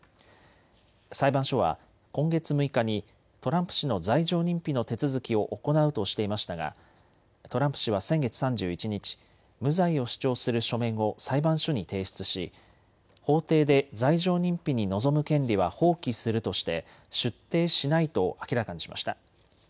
裁判所は今月６日にトランプ氏の罪状認否の手続きを行うとしていましたがトランプ氏は先月３１日、無罪を主張する書面を裁判所に提出し法廷で罪状認否に臨む権利は放棄するとして出廷しないと明らかにしました。